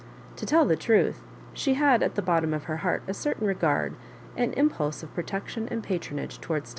To teU the truth, she had at the bottom of her heart a certain regard and impulse of protection and patronage towards •(^.